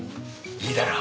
いいだろ？